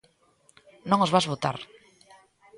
Non os vas botar.